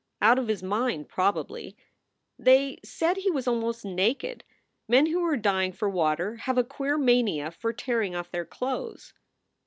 Out of his mind, probably. They said he was almost naked. Men who are dying for water have a queer mania for tearing off their clothes."